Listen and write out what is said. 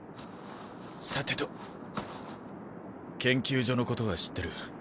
さてと研究所のことは知ってる。